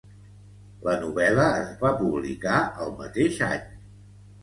La novel·la es va publicar el mateix any.